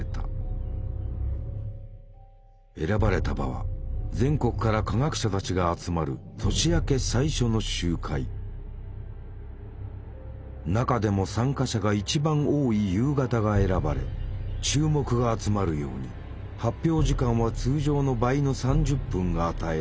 選ばれた場は全国から科学者たちが集まる中でも参加者が一番多い夕方が選ばれ注目が集まるように発表時間は通常の倍の３０分が与えられた。